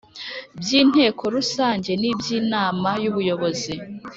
by Inteko Rusange n iby Inama y Ubuyobozi